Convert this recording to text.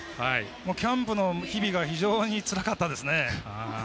キャンプの日々が非常につらかったですね。